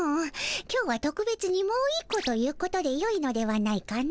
今日はとくべつにもう１個ということでよいのではないかの？